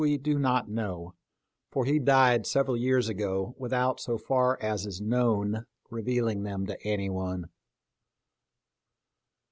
3 we do not know ; for he died several years ago with out, so far as is known, revealing them to anyone.